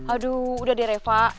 aduh udah deh reva